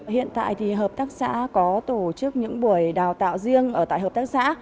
hiện tại thì hợp tác xã có tổ chức những buổi đào tạo riêng ở tại hợp tác xã